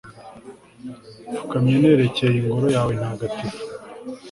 mpfukamye nerekeye ingoro yawe ntagatifu